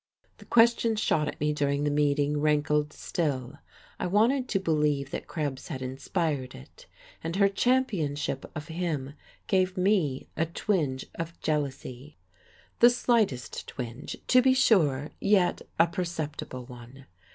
The question shot at me during the meeting rankled still; I wanted to believe that Krebs had inspired it, and her championship of him gave me a twinge of jealousy, the slightest twinge, to be sure, yet a perceptible one.